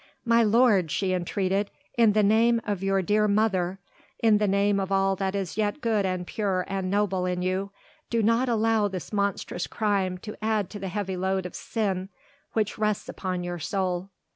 "My lord!" she entreated, "in the name of your dear mother, in the name of all that is yet good and pure and noble in you, do not allow this monstrous crime to add to the heavy load of sin which rests upon your soul.